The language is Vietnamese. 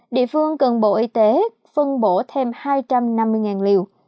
địa phương cần bộ y tế phân bổ thêm hai trăm năm mươi liều